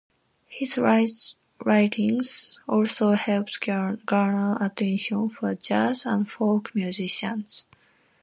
His writings also helped garner attention for jazz and folk musicians.